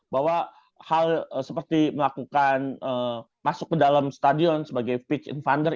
bahwa hal seperti melakukan masuk ke dalam stadion sebagai pitch infunder